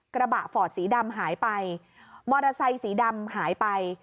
กระบะฟอร์ดสีดำหายไปมอเตอร์ไซค์สีดำหายไป